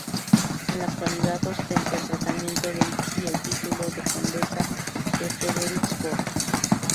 En la actualidad ostenta el tratamiento de y el título de condesa de Frederiksborg.